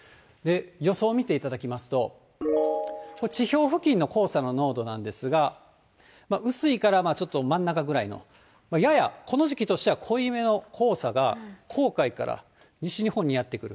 予想見ていただきますと、地表付近の黄砂の濃度なんですが、薄いから、ちょっと真ん中ぐらいの、やや、この時期としては濃い目の黄砂が、黄海から西日本にやって来る。